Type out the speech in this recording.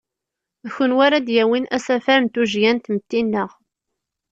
D kunwi ara d-yawin asafar n tujjya n tmetti-nneɣ.